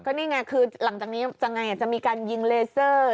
นี่ไงคือหลังจากนี้ยังไงจะมีการยิงเลเซอร์